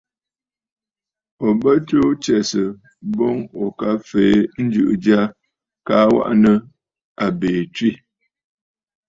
Ò bə tuu tsɛ̀sə̀ boŋ ò ka fèe njɨ̀ʼɨ̀ jya kaa waʼà nɨ̂ àbìì tswə̂.